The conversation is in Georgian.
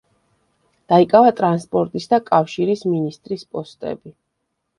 დაიკავა ტრანსპორტის და კავშირის მინისტრის პოსტები.